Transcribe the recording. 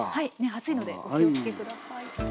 熱いのでお気をつけ下さい。